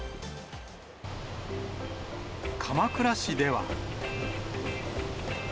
鎌倉市では。